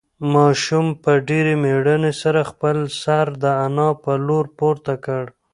ماشوم په ډېرې مېړانې سره خپل سر د انا په لور پورته کړ.